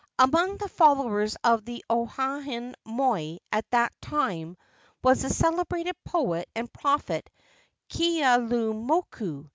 Among the followers of the Oahuan moi at that time was the celebrated poet and prophet Keaulumoku.